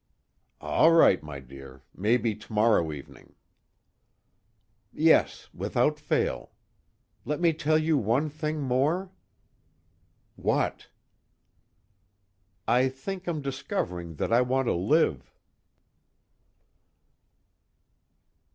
"All right, my dear. Maybe tomorrow evening." "Yes, without fail. Let me tell you one thing more?" "What?" "I think I'm discovering that I want to live."